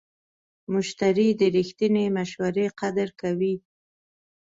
مشتری د رښتینې مشورې قدر کوي.